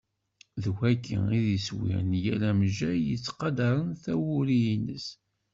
D wagi i d iswi n yal amejjay i yettqadaren tawuri-ines.